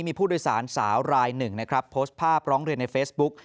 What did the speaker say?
มีผู้โดยสารสาวรายหนึ่งนะครับโพสต์ภาพร้องเรียนในเฟซบุ๊ก